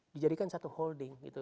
dijadikan satu holding gitu